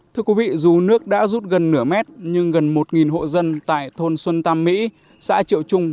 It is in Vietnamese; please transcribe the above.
thưa quý vị dù nước đã rút gần nửa mét nhưng gần một hộ dân tại thôn xuân tam mỹ xã triệu trung